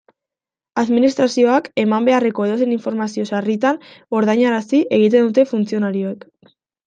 Administrazioak eman beharreko edozein informazio sarritan ordainarazi egiten dute funtzionarioek.